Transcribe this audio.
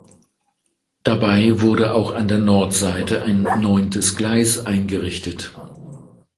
Dabei wurde auch an der Nordseite ein neuntes Gleis eingerichtet.